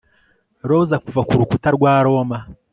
Roza kuva ku rukuta rwa Roma